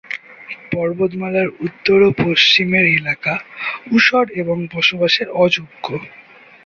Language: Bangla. পর্বতমালার উত্তর ও পশ্চিমের এলাকা ঊষর এবং বসবাসের অযোগ্য।